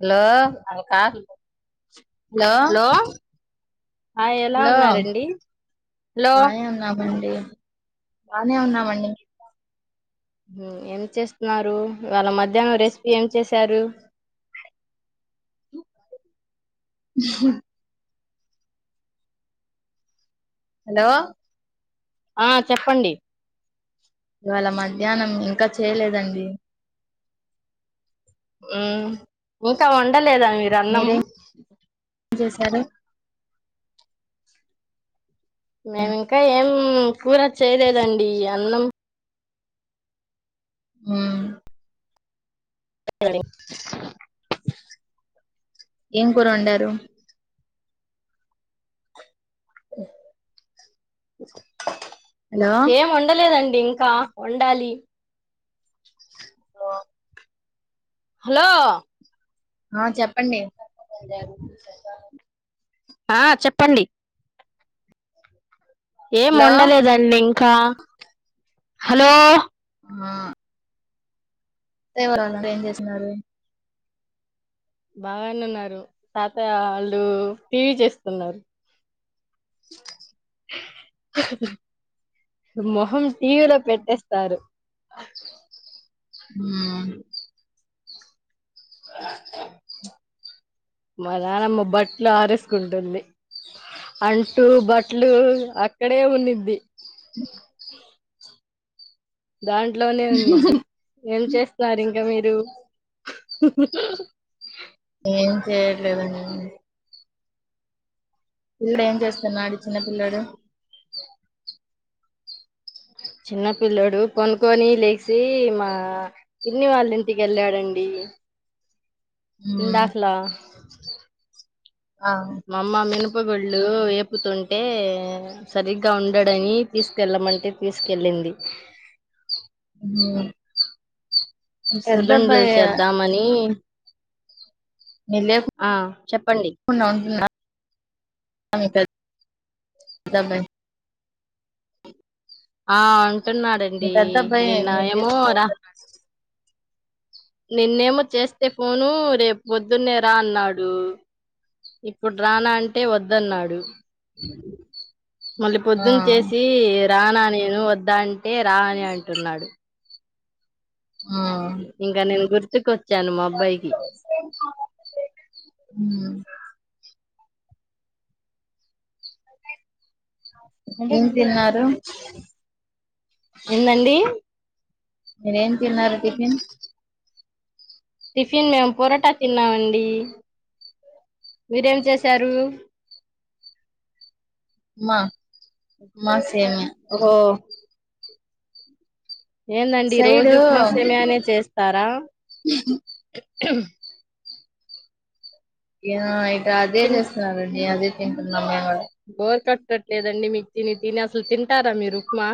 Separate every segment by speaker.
Speaker 1: Hello అక్కా hello ఆ ఎలా
Speaker 2: హలో
Speaker 1: ఉన్నారండి హలో
Speaker 2: బానే ఉన్నామండి బానే ఉన్నామండి
Speaker 1: ఏం చేస్తున్నారు ఇవాళ మధ్యాహ్నం రెసిపీ ఏం చేసారు
Speaker 2: ఉహు హలో
Speaker 1: ఆ చెప్పండి
Speaker 2: ఇవాళ మధ్యాహ్నం ఇంకా చేయలేదండి
Speaker 1: ఉ త వంట [inaudible] వండ లేదా మీరు అన్నము
Speaker 2: మీరేం చేశారు
Speaker 1: మేమింకా ఏం కూర చేయలేదండి అన్నం
Speaker 2: ఉమ్
Speaker 1: [unintelligible]
Speaker 2: ఏం కూర వండారు హలో
Speaker 1: ఏం వండలేదండి ఇంకా వండాలి హలో
Speaker 2: ఆ చెప్పండి
Speaker 1: ఆ చెప్పండి ఏం
Speaker 2: హలో
Speaker 1: వండలేదండి కా హలో
Speaker 2: ఆ ఎవరువంట ఏం చేసినారు
Speaker 1: బాగానే ఉన్నారు తాతయ్య వాళ్ళు టీవీ చేస్తున్నారు మొహం టీవీలో పెట్టేస్తారు
Speaker 2: ఆ
Speaker 1: మా నాానమ్మ బట్టలు ఆరేసుకుంటుంది అంటూ బట్టలు అక్కడే ఉన్నిది దాంట్లోనే ఉన్నది ఏం చేస్తున్నారు ఇం ఇకా మీరు
Speaker 2: ఏం చేయట్లేదండి పిల్లడు ఏం చేస్తాన్నాడు చిన్న పిల్లడు
Speaker 1: చిన్న పిల్లడు కొనుక్కొని లేసి మా పిన్ని వాళ్ళ ఇంటికి ఎళ్ళాడంండి
Speaker 2: మ్మ్
Speaker 1: దాహ్లా
Speaker 2: ఆ
Speaker 1: మా అమ్మ మేను ఉప్పగులు వేపుతుంటే సరిగ్గా ఉండడని తీసుకెళ్ళమంటే తీసుకెళ్ళింది.
Speaker 2: మ్మ్ మీ పెద్ద
Speaker 1: సున్నుండలు
Speaker 2: అబ్బాయి
Speaker 1: చేద్దామని
Speaker 2: నేను
Speaker 1: ఆ చెప్పండి
Speaker 2: లేకుండా ఉంటుందా ఆ మీ పెద్దబ్బాయి
Speaker 1: ఆ
Speaker 2: మీ
Speaker 1: అంటటున్నాడంండి
Speaker 2: పెద్ద అబ్బాయి
Speaker 1: నిన్న
Speaker 2: మీరు
Speaker 1: ఏమో
Speaker 2: లేకుండా
Speaker 1: రా
Speaker 2: ఉంటున్నాడా
Speaker 1: నిన్నేమో చేస్తే ఫోను రేపు పోద్దున్నే రా అన్నాడు ఇప్పుడు రానా అంటే వద్దన్నాడు. మళ్ళీ పొద్దున్న
Speaker 2: ఆ
Speaker 1: చేసి రానా నేను వద్ద అంటే రా అని అంటున్నాడు ఇంకా నేను గుర్తు కో
Speaker 2: ఉ ఓకే
Speaker 1: అంటే ముందే ఏందండి
Speaker 2: నేన్ ఎ ఎం తిన్నారు టిఫిన్
Speaker 1: టిఫిన్ మేము పొరోటా తిన్నామండి మీరేం చేశారు
Speaker 2: మా ఉప్మా సేమ్
Speaker 1: ఓ
Speaker 2: ఇటు
Speaker 1: ఏందండి
Speaker 2: సైడు
Speaker 1: రోజు ఉప్మా, సేమియానే చేస్తారా హ్మ్
Speaker 2: ఆయితే [unintelligible] ఇ అదే
Speaker 1: తిన్
Speaker 2: చేస్తున్నారండి అదే ఎ [unintelligible]
Speaker 1: బోర్ కట్టట్లేదండి మీకు తిని తిని అసలు తింటారా మీరు ఉప్మా.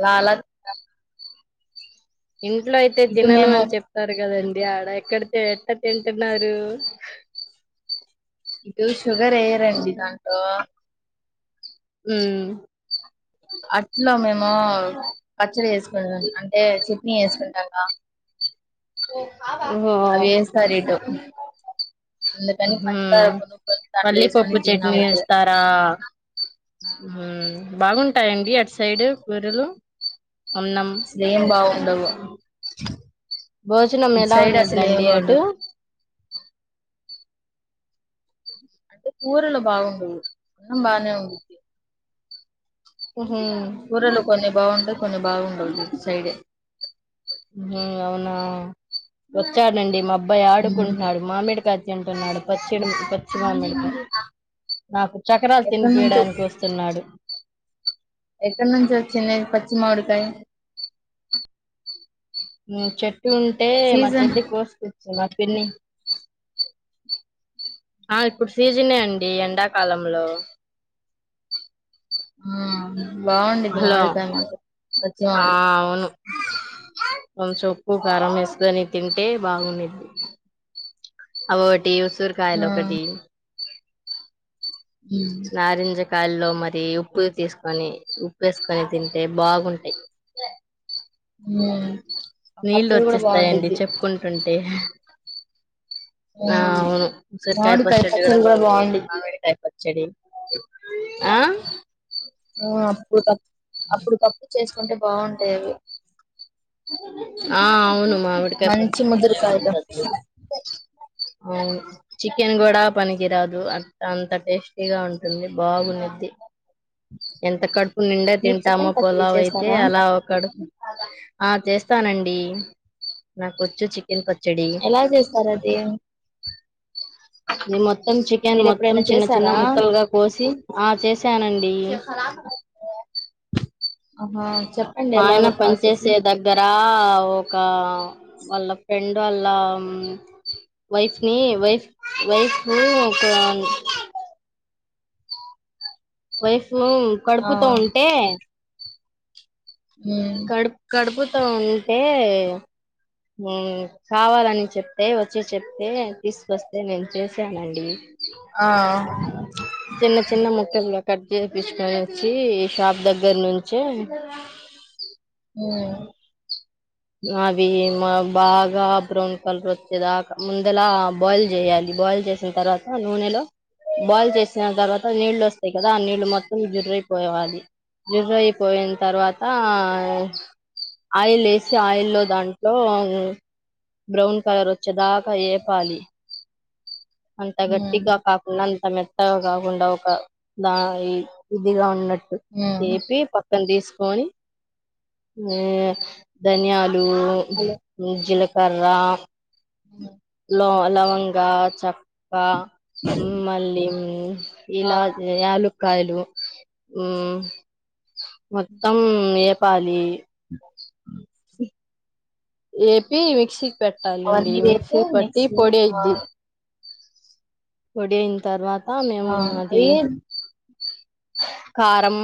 Speaker 2: ల ల
Speaker 1: ఇంట్లో అయితే
Speaker 2: ఇటు
Speaker 1: తినను
Speaker 2: మేము
Speaker 1: అని చెప్తారు కదండి. అ ఆడ ఎక్కడ త ఎట్ట తింటున్నారు.
Speaker 2: ఇటు షుగర్ ఏ రండి దాంట్లో
Speaker 1: హుమ్
Speaker 2: అట్లా మేము పచ్చడి వేసుకుంటాం అంటే చట్నీ వేసుకుంటాంగా
Speaker 1: ఓహో
Speaker 2: అవేస్తారు ఇటు అందుకని
Speaker 1: హ
Speaker 2: పంచదార కొనుక్కొని దాంట్లో వేసుకొని
Speaker 1: పల్లిపప్పు చట్నీ
Speaker 2: తిన్నాము ఇప్పుడు
Speaker 1: వేస్తారా హూ బాగుంటా అడి అట్ సైడ్ పరులు
Speaker 2: స్నేహ భావం ఉండవ
Speaker 1: [unintelligible] భోజనం ఎలా
Speaker 2: సైడ్ అసలు ఏం
Speaker 1: ఉండుదండి అటు
Speaker 2: బాగుండవు అంటే కూరలు బాగుండవు అన్నం బానే ఉంటుంది.
Speaker 1: [unintelligible]
Speaker 2: కూరలు కొన్ని బాగుంటాయి, కొన్ని బాగుండదు సైడే
Speaker 1: అవునా వచ్చాడండి మాబ్బా అబ్బాయి ఆడుకుంటున్నాడు మామిడి క తింటున్నాడు పచ్చిడి పచ్చి మామిడికి నాకు చక్రాలు
Speaker 2: ఎక్కడ నుంచి
Speaker 1: తినిపయడానికి వస్తున్నాడు
Speaker 2: ఎక్కడి నుంచి వచ్చింది పచ్చి మామిడికాయ
Speaker 1: చెట్లు ఉంటే మా
Speaker 2: సీజన్
Speaker 1: చెట్ దకి వస్తు చ పిన్ని ఆ ఇప్పుడు సీజనే అండి ఎండాకాలంలో
Speaker 2: ఆ బాగుంది
Speaker 1: హలో
Speaker 2: మామిడికాయ అంత పచ్చిమ
Speaker 1: కొంచం ఉప్పు కారం వేసుకొని తింటే బాగుండది అటి సూరుకాయలు
Speaker 2: ఆ
Speaker 1: ఒకటి నారింజ కాయల్లో మరీ ఉప్పు తీసుకొని ఉప్పు ఏసుకొని తింటే బాగుంటయి.
Speaker 2: ఉ
Speaker 1: నీళ్లు ఒచ్చేస్తాయిండి చెప్పుకుంటుం టే ఆ
Speaker 2: ఉమ్
Speaker 1: అవును ఉసరికాయ పచ్చడీ కూడా బాగుండిద్ది మామిడికాయ పచ్ సడి ఆ
Speaker 2: ఆ పూతచ్ అప్పుడుకప్పుడు చేసుకుంటే బాగుంటాయి అవి
Speaker 1: ఆ అవును మామిడికాయ
Speaker 2: మంచి
Speaker 1: పచ్చడి భలే ఉండిద్ది
Speaker 2: ముదురుకాయలు
Speaker 1: అసల్ అవును చికెన్ కూడా పనికిరాదు అం అంత టేస్టీగా ఉంటుంది బాగుండిద్ది. ఎంత కడుప్ నిండా
Speaker 2: మీరు
Speaker 1: తింటామొ
Speaker 2: చికెన్ పచ్చడి
Speaker 1: పులావ్ అయితే
Speaker 2: చేస్తారా
Speaker 1: అలా ఒక కడుప్ ఆ చేస్తానండీ నాకొచ్చు చిక్
Speaker 2: ఎలా చేస్తారు అదీ
Speaker 1: నేన్ మొత్తం చికెన్ మొత్తం చిన్న చిన్న
Speaker 2: చేసారా
Speaker 1: ముక్కలుగా కోసి ఆ చేసానండీ.
Speaker 2: ఆహ్
Speaker 1: మా ఆయన పని చేసే దగ్గరా ఒకా వాళ్ళ ఫ్రెండ్ వాళ్ల వైఫ్ నీ వైఫ్ వైఫూ ఒకా వైఫ్ ఉమ్
Speaker 2: ఆ!
Speaker 1: కడుపుతో ఉంటే
Speaker 2: హ్మ్.
Speaker 1: కడుప్ కడుబుత్ తో ఉంటే ఉమ్ కావాలని చెప్తే వచ్చి చెప్తే తీసుకొస్తే నేన్ చేసానండీ.
Speaker 2: ఆ
Speaker 1: చిన్న చిన్న ముక్కలుగ కట్ చేపిచ్చుకొని వచ్చీ షాప్ దగ్గర నుంచే
Speaker 2: ఉమ్
Speaker 1: అవి బాగా బ్రౌన్ కలర్ వచ్చేదాక ముందలా బాయిల్ జేయాలి బాయిల్ చేసిన్ తర్వాత నూనెలో బాయిల్ చేసిన తర్వాత నీళ్ళొస్తాయి కదా ఆ నీళ్లు మొత్తం జుర్రైపోవాలి జుర్రయిపోయిన్ తర్వాతా ఆయిల్ ఏస్ ఆయిల్ లో దాంట్లో బ్రౌన్ కలర్ వచ్చే దాకా ఏపాలి అంత
Speaker 2: హ్మ్.
Speaker 1: గట్టిగా కాకుండ అం అంతమెత్తగా కాకుండ ఒక దా ఇదిగా ఉన్నట్
Speaker 2: హ్మ్.
Speaker 1: ఏపీ పక్ పక్కన తీసుకొనీ ఆహ్ ధన్యాల్
Speaker 2: హలో!
Speaker 1: లూ జిలక్ కారామ్
Speaker 2: హ్మ్.
Speaker 1: లోర్ లవంగా చప్ గ మళ్లీ
Speaker 2: ఆ!
Speaker 1: ఇలాచి యాలక్ కాయలు మొత్తం ఏపాలి ఏపీ మిక్సిక్ పెట్టాలండి
Speaker 2: అవన్నీ వేపి
Speaker 1: మిక్సిపట్టి
Speaker 2: మిక్సీ
Speaker 1: పొడి
Speaker 2: ఆ!
Speaker 1: అయిద్ది పొడి అయిన్ తర్వా
Speaker 2: ఆ అవి
Speaker 1: కారం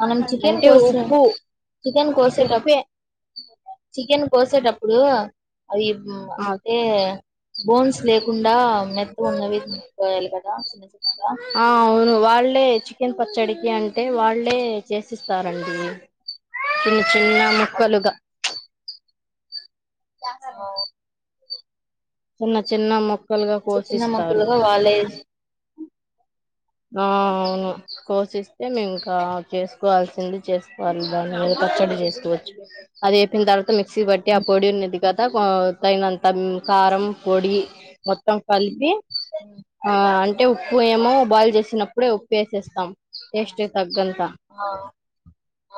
Speaker 2: మనం చికెన్
Speaker 1: అంటే
Speaker 2: కోసే
Speaker 1: ఉప్పు
Speaker 2: చికెన్ కోసేటప్
Speaker 1: ఉప్పే
Speaker 2: చికెన్ పోసేటప్పుడు అవి
Speaker 1: ఆ
Speaker 2: అంటే బోన్స్ లేకుండా మెత్తగున్నవి కోయల్ కదా చిన్న చిన్నగా
Speaker 1: టె చికెన్ పచ్చడికి అంటే వాళ్ళే చేసిస్తారండి చిన్న చిన్న ముక్కలుగ క్యాకరే
Speaker 2: ఆ!
Speaker 1: చిన్న చిన్న మొక్
Speaker 2: అంటే చిన్న మొక్కలుగా వాళ్ళే
Speaker 1: ఆ అవును కోసిస్తే మేము ఇంకా చేసుకోవాల్సింది చేసుకోవాలి దానొక పచ్చడి చేసుకోవచ్చు అది వేపిన తర్వాత మిక్సీ పట్టి ఆ
Speaker 2: హ్మ్.
Speaker 1: పొడి ఉన్నది కదా పైనంత కారం పొడి మొ త్తం కలిపి
Speaker 2: హ్మ్.
Speaker 1: ఆ అంటే ఉప్పు
Speaker 2: ఆ!
Speaker 1: ఏమో బా తిన్నప్పుడే ఉప్పేసేస్తాం టేస్ట్కు తగ్గ
Speaker 2: ఆ!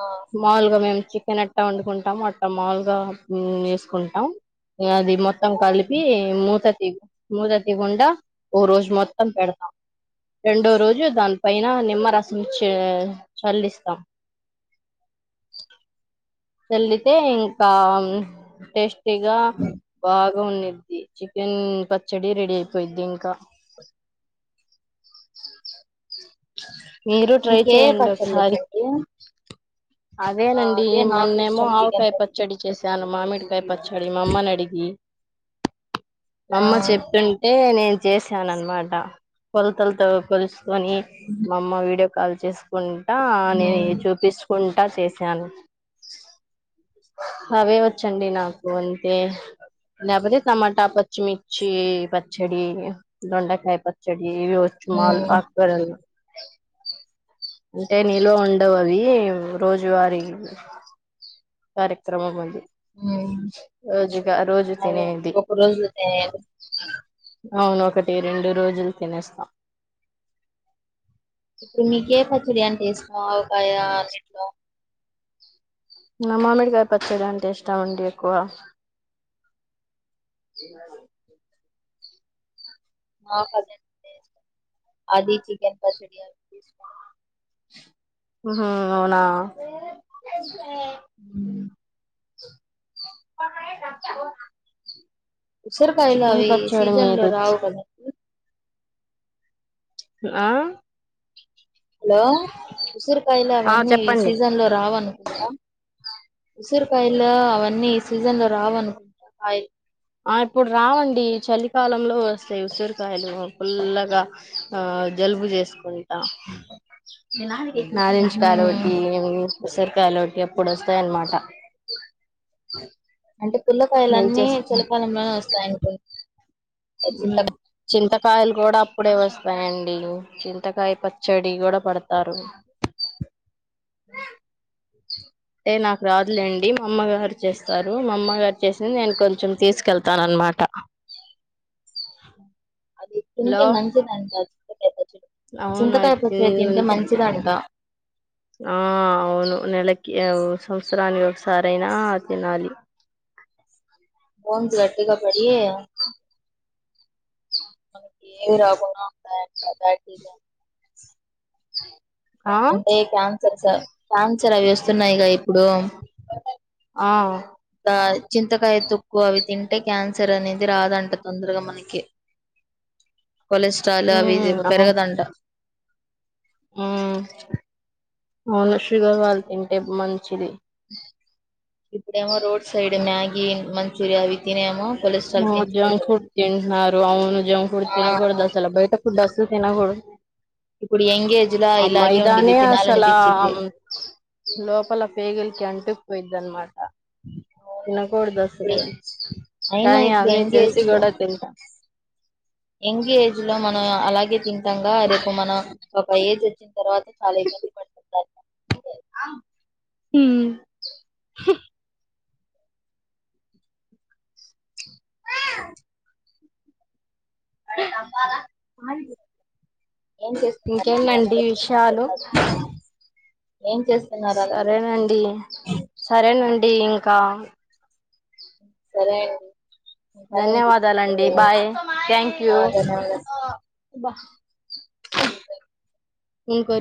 Speaker 2: ఆ!
Speaker 1: మాల్గ మేము చి నట్టే వండుకుంటాము మొత్తం మాలుగా వేసుకుంటాం అది మొత్తం మొత్తం కలిపి
Speaker 2: హ్మ్.
Speaker 1: మూత మొదటి గుండా ఓ రోజు మొత్తం పెడతాం రెండో రోజు దాని పైన నిమ్మరసం చే చల్లిస్తాం చెల్లితే ఇంకా టేస్ట్ బాగ్ ఉండిద్దీ చికెన్ పచ్చడి రెడీ అయిపోయిద్ది ఇంకా మీరు ట్రై
Speaker 2: నీకు ఏ ఏ
Speaker 1: చేయండి
Speaker 2: పచ్చళ్ళు
Speaker 1: ఒకసారీ,
Speaker 2: వచ్చండి ఆ
Speaker 1: అదేనండి
Speaker 2: అదే నాకు
Speaker 1: మొన్నేమో
Speaker 2: ఇష్టం చికెన్
Speaker 1: ఆవకాయ
Speaker 2: ప
Speaker 1: పచ్చడి చేసి దాని మామిడికి నిమ్మ కాయ పచ్చడి మా అమ్మను అడిగి మా
Speaker 2: ఆ
Speaker 1: అమ్మ చెప్తుంటే నేను చేసాను అన్మాటా కొలతలతో కొలిస్తే ఇవన్నీ మా అమ్మ వీడియో కాల్ కాల్ చేస్ కుంటా, ఆహ్ నేను
Speaker 2: హ్మ్
Speaker 1: చూపిించకుంటా ఆహ్ చేశాను అవే వచ్చండి నాకు అంతే, లేకపోతే టమాటా, పచ్చిమిర్చి పచ్చడి, దొండకాయ పచ్చడి
Speaker 2: హ్మ్
Speaker 1: [unintelligible] [inaudible] అంటే నీలో ఉండవు అవి ఏవు రోజవారీ కరిక్రమం ఉంది
Speaker 2: హ్మ్
Speaker 1: రోజుగా రోజు
Speaker 2: అదే
Speaker 1: తినేది,
Speaker 2: ఒక రోజులో తయారు హ్మ్.
Speaker 1: అవును ఒకటి రెండు రోజులు తినేస్త
Speaker 2: ఇప్పుడు మీకే పచ్చడి అంటే [unintelligible] ఒకకాయ అన్నిట్లో
Speaker 1: మా మామిడి కాయ పచ్చడి అంటే ఇష్టం అండి ఎక్కువ
Speaker 2: మా అది చికెన్ పచ్చడి అ [unintelligible]
Speaker 1: ఉహ్ హు అవునా
Speaker 2: అ [inaudible]
Speaker 1: [inaudible]
Speaker 2: సొర
Speaker 1: చికెన్
Speaker 2: కాయలావి
Speaker 1: పచ్చడి
Speaker 2: సీజన్ లో
Speaker 1: మీరు
Speaker 2: రావుకద
Speaker 1: హా ల్లో
Speaker 2: హలో ఉసురకాయలు,
Speaker 1: ఆ
Speaker 2: అవన్నీ ఈ
Speaker 1: చెప్పండి
Speaker 2: సీజన్ లో రావనుకుంటా ఉసిరికాయల్లో అవన్నీ ఈ సీజన్ లో రావునుకుంటా కాయలు
Speaker 1: ఆ ఇప్పుడు రావండి, చలికాలంలో వస్తాయి ఉసిరికాయలు ఫుల్లగా ఆ జలుబు చేసుకుంటా
Speaker 2: హ్మ్
Speaker 1: నారెంజ్
Speaker 2: హు
Speaker 1: కాాలోటి ఏ [unintelligible] ఉ సరికాయలు ఎ ప్పుడు వస్తాయ అన్నమాట
Speaker 2: అంటే పుల్లకాయలు అన్నీ చలకాలంలోనే వస్తాయినికో
Speaker 1: చింతకాయలు కూడా ఇప్పుడే వస్తాయండి చింతకాయ పచ్చడి కూడా పే డతారు
Speaker 2: అ
Speaker 1: ఏ నాకు రాదులేండి మా అమ్మగారు చేస్తారు మా అమ్మగారు చేసింది నేను కొంచెం తీసుకెళ్తాన అన్నమాట
Speaker 2: అది తినికి మంచిదింట
Speaker 1: అవును
Speaker 2: చింతకాయ
Speaker 1: అయితే
Speaker 2: పచ్చడి తింటే
Speaker 1: ఉంటే
Speaker 2: మంచిదంట
Speaker 1: ఆ అవును నెలకి ఓ సంవత్సరాని ఒకసా సరైనా తినాలి
Speaker 2: ఓన్స్ గట్ గపడి ఏమి రాకుండా ఉంటాయంట బాయ్ [inaudible]
Speaker 1: ఆ
Speaker 2: అంటే కన్ సర్ సార్ క్యాన్సర్ అవి వస్తున్నాయిక ఇప్పుడు
Speaker 1: ఆ
Speaker 2: ఆ చింతకాయ తుక్కు అవి తింటే క్యాన్ సర్ అనేది రాదంట తొందరగా మనకి కొలెస్ట్రాల్ అవి
Speaker 1: ఉమ్
Speaker 2: పెరగదంట
Speaker 1: ఆ అవును షుగర్ వాళ్ళు తింటే మన్ చిది
Speaker 2: ఇప్పుడేమో రోడ్ సైడ్ మ్యాగీ మంచూరియావి తినేమో కొలెస్ట్రాల్
Speaker 1: మ్మ్ జంక్
Speaker 2: పెంచుకుంటది
Speaker 1: ఫుడ్ తింటునరు అవును జంక్ తిన
Speaker 2: ఆ
Speaker 1: కూడసలు బయట ఫుడసలు తినకూడద్
Speaker 2: ఇప్పుడు యంగ్ ఏజ్ లా ఇలాగే ఉండిద్ది
Speaker 1: అమ్మాయిదానే అసల
Speaker 2: తినాలనిపించిద్ది
Speaker 1: లోపల పేగులికి అంటుక్ వయిద్దన్మాట
Speaker 2: అవును
Speaker 1: తినక్ కోడు
Speaker 2: ఇప్పుడు
Speaker 1: దశలవి
Speaker 2: అయినా
Speaker 1: కానీ
Speaker 2: ఇప్పుడు
Speaker 1: అన్నీ
Speaker 2: యంగ్
Speaker 1: తెలిసి
Speaker 2: ఏజ్ లో
Speaker 1: కూడా తింటాం
Speaker 2: ఆ అలాగే తింటాంగా రేపు మనం ఒక ఏజ్ వచ్చింద్ తర్వాత్ కాలి పడ్
Speaker 1: హ ఆ అ అబ్బదాపో
Speaker 2: ఏం చేస్తున్నారు మీ
Speaker 1: ఇంకేంటండి విషయాలు
Speaker 2: అందరూ? ఏం చేస్తున్నారు అందరు
Speaker 1: సరేనండి సరేనండి అండి ఇంకా
Speaker 2: సరే అండి మీ పని ఉంది
Speaker 1: ధన్యవాదాలండి బాయ్
Speaker 2: చూసుకోండి
Speaker 1: థ్యాంక్
Speaker 2: ఆ
Speaker 1: యూ
Speaker 2: ధన్యవాదాలు
Speaker 1: వా ఫను కో